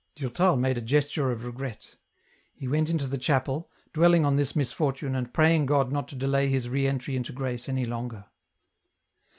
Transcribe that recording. Durtal made a gesture of regret. He went into the chapel, dwelling on this misfortune and praying God not to delay his re entry into grace any longer.